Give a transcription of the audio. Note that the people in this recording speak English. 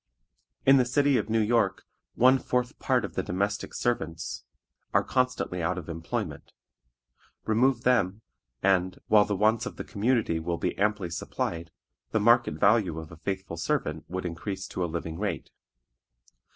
In the city of New York one fourth part of the domestic servants are constantly out of employment; remove them, and, while the wants of the community will be amply supplied, the market value of a faithful servant would increase to a living rate.